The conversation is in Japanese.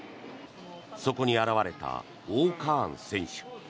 そこに現れた−Ｏ−カーン選手。